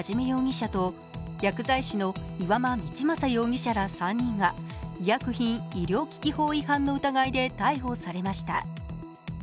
容疑者と薬剤師の岩間道政容疑者ら３人が医薬品医療機器法違反の疑いで逮捕されました。